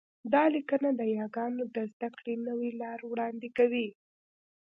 دا لیکنه د یاګانو د زده کړې نوې لار وړاندې کوي